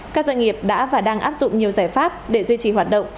các doanh nghiệp đã và đang áp dụng nhiều giải pháp để duy trì hoạt động